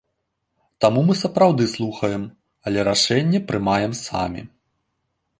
Таму мы сапраўды слухаем, але рашэнне прымаем самі.